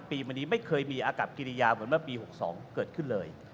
มานี้ไม่เคยมีอากับกิริยาเหมือนเมื่อปี๖๒เกิดขึ้นเลย